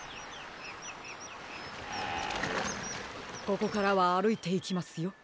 ここからはあるいていきますよ。